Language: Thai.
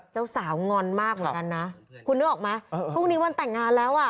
เจ้าสาวงอนมากเหมือนกันนะคุณนึกออกไหมพรุ่งนี้วันแต่งงานแล้วอ่ะ